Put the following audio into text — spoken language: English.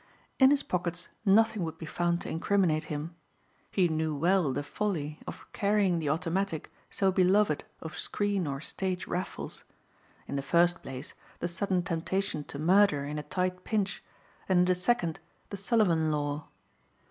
In his pockets nothing would be found to incriminate him. He knew well the folly of carrying the automatic so beloved of screen or stage Raffles. In the first place, the sudden temptation to murder in a tight pinch, and in the second the Sullivan law.